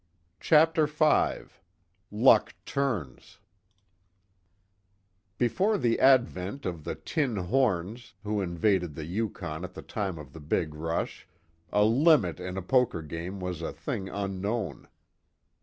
CHAPTER V LUCK TURNS Before the advent of the tin horns, who invaded the Yukon at the time of the big rush, a "limit" in a poker game was a thing unknown.